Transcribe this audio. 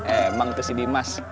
emang tuh si dimas